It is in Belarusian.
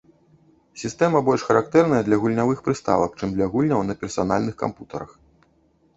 Сістэма больш характэрная для гульнявых прыставак, чым для гульняў на персанальных кампутарах.